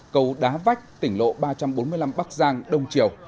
cầu đá vách tỉnh lộ ba trăm bốn mươi năm bắc giang đông triều